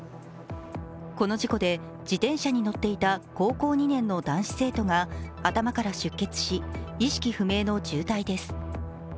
この事故で、自転車に乗っていた高校２年の男子生徒が頭から出血し、意識不明の重体です。